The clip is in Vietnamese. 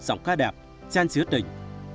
giọng ca đẹp chan chữ tình